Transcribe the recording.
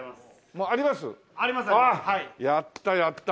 やったやった。